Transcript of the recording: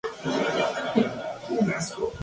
La línea principal fue completada en tres partes.